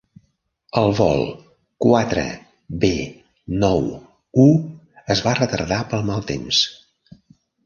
El vol quatre be nou u es va retardar pel mal temps.